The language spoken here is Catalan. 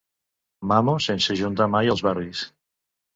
Mamo sense ajuntar mai els barris.